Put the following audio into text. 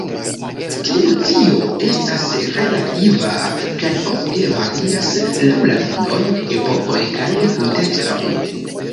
Tiu nocio estas relativa, kaj ofte varias laŭ la landoj, epokoj kaj kuntekstoj.